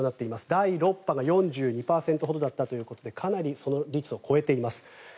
第６波が４２％ほどだったということでかなりその率を超えています。